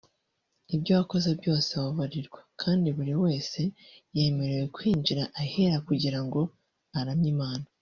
ibyo wakoze byose wababarirwa kandi buri wese yemerewe kwinjira ahera kugira ngo aramye Imana